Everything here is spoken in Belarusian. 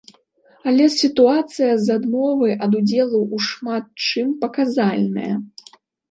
Але сітуацыя з адмовай ад удзелу ў шмат чым паказальная.